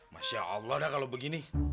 masya allah dah kalau begini